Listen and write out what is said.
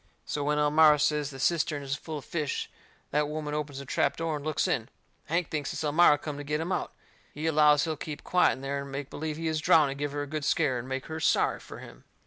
So when Elmira says the cistern is full of fish, that woman opens the trap door and looks in. Hank thinks it's Elmira come to get him out. He allows he'll keep quiet in there and make believe he is drowned and give her a good scare and make her sorry fur him.